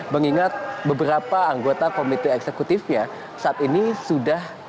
mengingat beberapa anggota komite eksekutifnya saat ini sudah